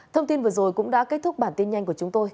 thông tin vừa rồi cũng đã kết thúc bản tin nhanh của chúng tôi